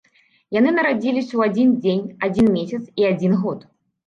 Яны нарадзіліся ў адзін дзень, адзін месяц і адзін год.